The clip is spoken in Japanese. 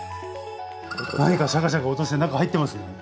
何かシャカシャカ音して何か入ってますよね。